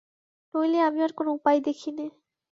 নইলে আমি আর কোনো উপায় দেখি নে।